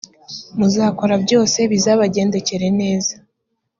muzakora byose bizabagendekere neza